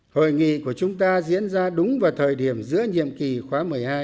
hội nghị của chúng ta diễn ra đúng vào thời điểm giữa nhiệm kỳ khóa một mươi hai